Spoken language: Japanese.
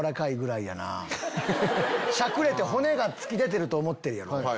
しゃくれて骨が突き出てると思ってるやろ。